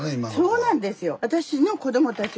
そうなんですよ。